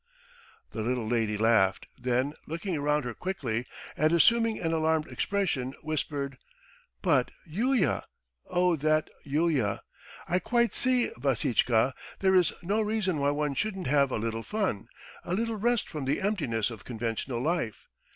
The little lady laughed, then, looking round her quickly and assuming an alarmed expression, whispered: "But Yulia! Oh, that Yulia! I quite see, Vassitchka, there is no reason why one shouldn't have a little fun, a little rest from the emptiness of conventional life!